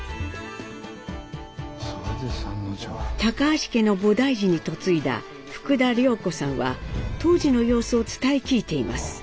橋家の菩提寺に嫁いだ福田良子さんは当時の様子を伝え聞いています。